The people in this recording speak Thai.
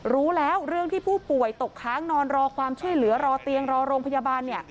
รู้แล้วเรื่องที่ผู้ป่วยตกค้างนอนรอความช่วยเหลือรอเตียงรอโรงพยาบาล